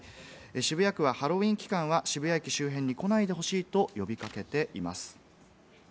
渋谷区はハロウィーン期間は渋谷駅周辺に来ないでほしいと呼び掛けています。